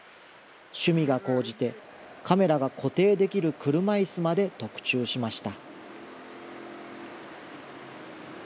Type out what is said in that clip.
趣味が高じて、カメラが固定できる車いすまで特注しました。